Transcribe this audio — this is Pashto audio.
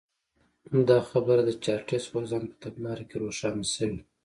دا خبره د چارټېست غورځنګ په تګلاره کې روښانه شوې.